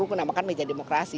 itu pun namanya kan meja demokrasi